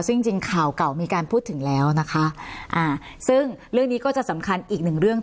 ซึ่งจริงข่าวเก่ามีการพูดถึงแล้วนะคะอ่าซึ่งเรื่องนี้ก็จะสำคัญอีกหนึ่งเรื่อง